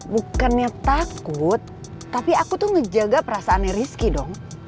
bukannya takut tapi aku tuh ngejaga perasaannya rizky dong